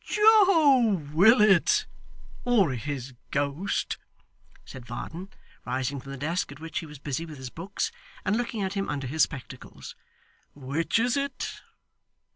'Joe Willet, or his ghost?' said Varden, rising from the desk at which he was busy with his books, and looking at him under his spectacles. 'Which is it?